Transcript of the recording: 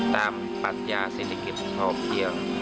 ปัญญาเศรษฐกิจพอเพียง